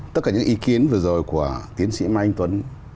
tất cả những ý kiến vừa rồi của tiến sĩ mai anh tuấn